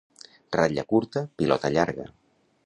Ratlla curta, pilota llarga.